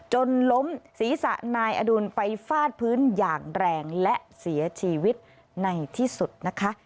จนล้มศีรษะนายอดุลไปฟาดพื้นอย่างแรงและเสียชีวิตในที่สุดนะคะ